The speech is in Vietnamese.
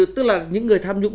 tức là những người tham nhũng